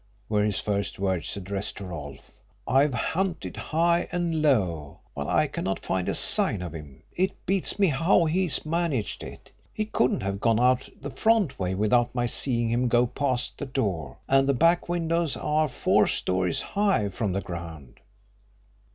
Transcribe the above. were his first words, addressed to Rolfe. "I've hunted high and low, but I cannot find a sign of him. It beats me how he's managed it. He couldn't have gone out the front way without my seeing him go past the door, and the back windows are four stories high from the ground."